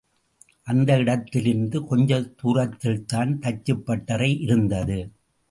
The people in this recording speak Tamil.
அந்த இடத்திலிருந்து கொஞ்ச தூரத்தில்தான் தச்சுப்பட்டறை இருந்தது.